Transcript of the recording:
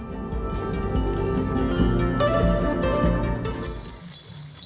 kesenian tradisional ebek